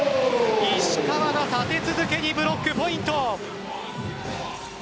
石川が立て続けにブロックポイント。